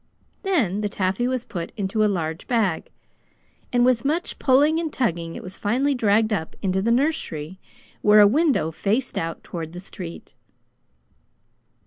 Then the taffy was put into a large bag, and with much pulling and tugging it was finally dragged up into the nursery, where a window faced out toward the street.